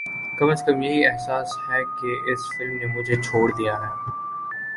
کم از کم یہی احساس ہے کہ اس فلم نے مجھے چھوڑ دیا ہے